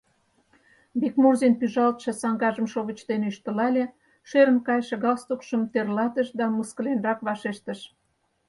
Бикмурзин пӱжалтше саҥгажым шовыч дене ӱштылале, шӧрын кайше галстукшым тӧрлатыш да мыскыленрак вашештыш: